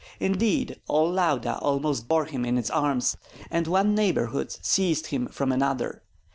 Indeed, all Lauda almost bore him in its arms, and one neighborhood seized him from another.